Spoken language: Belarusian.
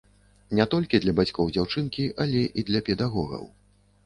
Не толькі для бацькоў дзяўчынкі, але і для педагогаў.